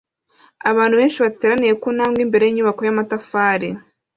Abantu benshi bateraniye ku ntambwe imbere yinyubako yamatafari